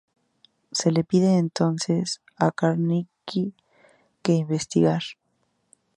Se le pide entonces a Carnacki que investigar.